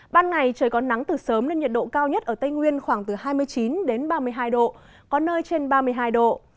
ban ngày trời có nắng từ sớm nên nhiệt độ cao nhất ở tây nguyên khoảng từ hai mươi chín đến ba mươi hai độ có nơi trên ba mươi hai độ